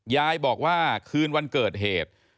ยายบอกว่าคืนวันเกิดเหตุ